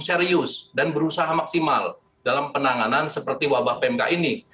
serius dan berusaha maksimal dalam penanganan seperti wabah pmk ini